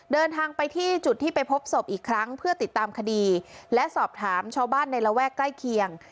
เดินทางไปที่จุดที่ไปพบศพอีกครั้งเพื่อติดตามคดีและสอบถามชาวบ้านในระแวกใกล้เคียง